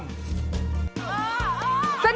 ต้องติดตาม